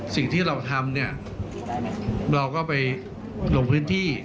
สิ่งที่เราทำเนี่ยเราก็ไปลงพื้นที่